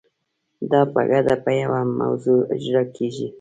دا په ګډه په یوه موضوع اجرا کیږي.